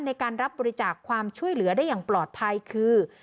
ในการรับบริจาคความช่วยเหลือได้อย่างปลอดภัยคือ